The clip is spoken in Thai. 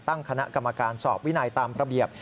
ตั้งคณะกรรมการสอบวินัยตามระเบียบ